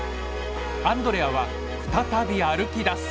アンドレアは再び歩きだす。